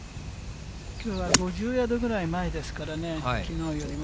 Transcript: きょうは５０ヤードぐらい前ですからね、きのうよりも。